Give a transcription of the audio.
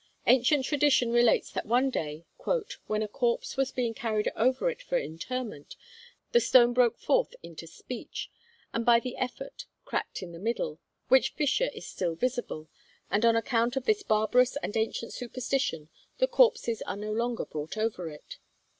Ancient tradition relates that one day 'when a corpse was being carried over it for interment the stone broke forth into speech, and by the effort cracked in the middle, which fissure is still visible; and on account of this barbarous and ancient superstition the corpses are no longer brought over it.'